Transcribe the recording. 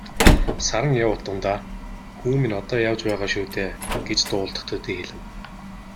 Саран явуут дундаа "Хүү минь одоо явж байгаа шүү дээ" гэж дуулдах төдий хэлэв.